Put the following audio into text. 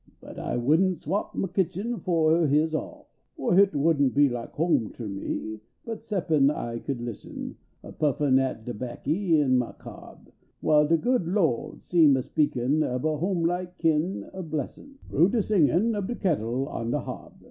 But I wouldn t swap niah kitchen fo his all ;! o hit wouldn t be like home ter me but ceptin I could listen A puffin at de backy in niah cob While de good Lawd seemed a speakin ob a home like kin ol) bless n 1 rough de sin^m ob de kettle on de hob.